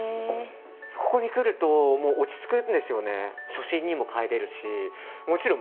ここに来るともう落ち着くんですよね。